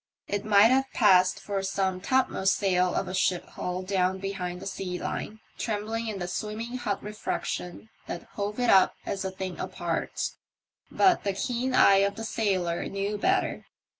It might have passed for some topmost sail of a ship hull down behind the sea line, trembling in tho swimming hot refraction that hove it up as a thing apart. But the keen eye of the sailor knew better.